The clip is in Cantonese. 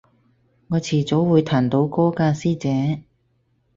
我遲早會彈到歌㗎師姐